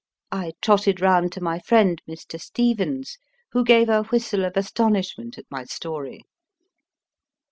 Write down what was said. I trotted round to my friend, Mr. Stevens, who gave a whistle of astonishment at my story.